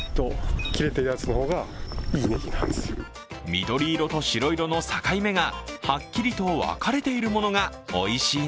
緑色と白色の境目がはっきりと分かれているものがおいしい